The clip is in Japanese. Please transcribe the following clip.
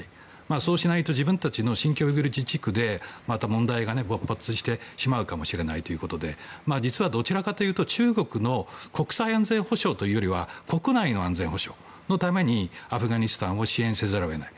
そうしないと自分たちの新疆ウイグル自治区でまた問題が勃発してしまうかもしれないということで実はどちらかというと中国の国際安全保障というよりは国内の安全保障のためにアフガニスタンを支援せざるを得ない。